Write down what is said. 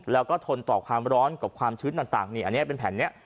แล้วก็ทนต่อความร้อนกับความชื้นต่างนี่อันนี้เป็นแผ่นนี้